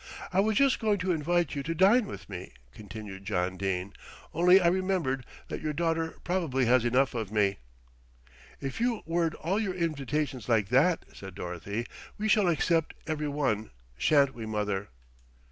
"I was just going to invite you to dine with me," continued John Dene, "only I remembered that your daughter probably has enough of me " "If you word all your invitations like that," said Dorothy, "we shall accept every one, shan't we, mother?"